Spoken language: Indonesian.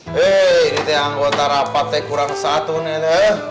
hei ini tuh anggota rapatnya kurang satu nih tuh